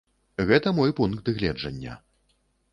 Гэта мой пункт гледжання.